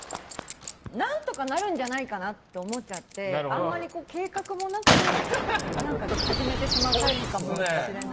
何とかなるんじゃないかなって思っちゃってあんまり計画もなく始めてしまうタイプかもしれない。